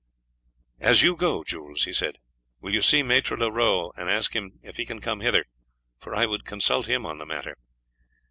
"As you go, Jules," he said, "will you see Maître Leroux and ask him if he can come hither, for I would consult him on the matter."